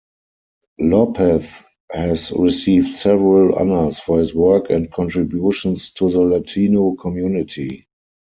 Lopez has received several honors for his work and contributions to the Latino community.